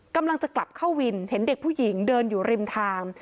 กำลังจะกลับเข้าวินเห็นเด็กผู้หญิงเดินอยู่ริมทาง